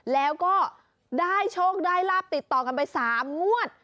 แล้วก็ได้โชคได้ลาบติดต่อกันไป๓งวด